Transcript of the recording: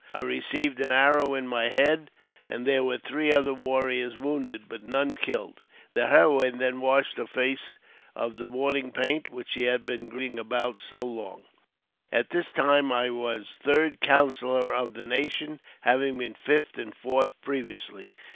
I received an arrow in my head; and there were three other warriors wounded, but none killed. The heroine then washed her face of the mourning paint, which she had been grieving about so long. At this time I was third counsellor of the nation, having been fifth and fourth previously.